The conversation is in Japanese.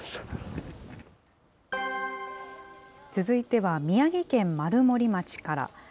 続いては宮城県丸森町から。